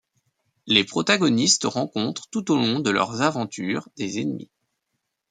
Les protagonistes rencontrent tout au long de leur aventures des ennemis.